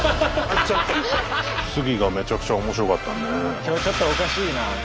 今日ちょっとおかしいなって。